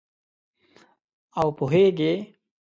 او پوهیږې